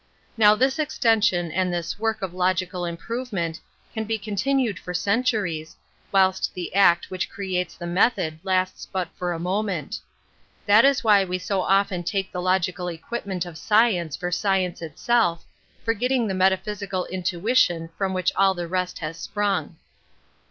Now this extension and this work of logical improvement can be continued for centuries, whilst the act ghich creates the method lasts but for a moment. T hat is why we so often take the logical equipment of science for science it self,^ forgetting the metaphysical intuition from which all the rest has sprung.